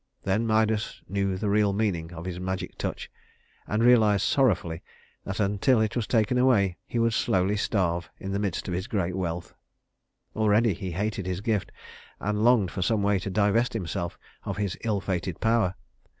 Then Midas knew the real meaning of his magic touch, and realized sorrowfully that until it was taken away, he would slowly starve in the midst of his great wealth. Already he hated his gift, and longed for some way to divest himself of his ill fated power.